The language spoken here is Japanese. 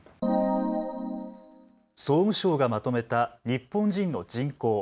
総務省がまとめた日本人の人口。